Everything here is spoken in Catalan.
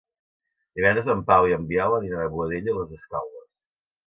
Divendres en Pau i en Biel aniran a Boadella i les Escaules.